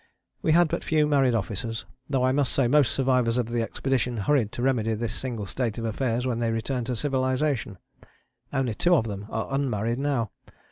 We had but few married officers, though I must say most survivors of the expedition hurried to remedy this single state of affairs when they returned to civilization. Only two of them are unmarried now.